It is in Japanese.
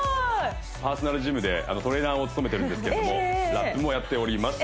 パーソナルジムでトレーナーを務めてるんですけどもラップもやっております